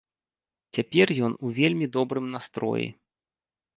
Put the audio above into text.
Цяпер ён у вельмі добрым настроі.